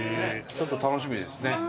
ちょっと楽しみですね。